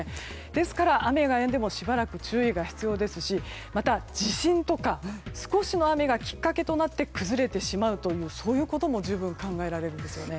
ですから、雨がやんでもしばらく注意が必要ですしまた地震とか少しの雨がきっかけとなって崩れてしまうというそういうことも十分考えられるんですよね。